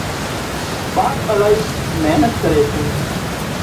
ٻاپ الاهي محنت ڪري سي